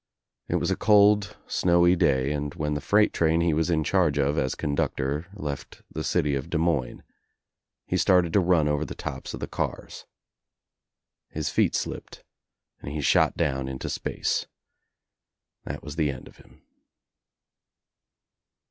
It was a cold snowy day and when the freight train he was in charge of as con ductor left the city of Des Moines, he started to run over the tops of the cars. His feet slipped and he shot down into space. That was the end of him.